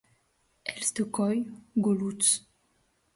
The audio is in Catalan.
Els de Cóll, golluts.